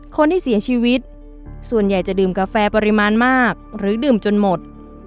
คนที่เสียชีวิตส่วนใหญ่จะดื่มกาแฟปริมาณมากหรือดื่มจนหมด